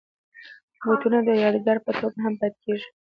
بوټونه د یادګار په توګه هم پاتې کېږي.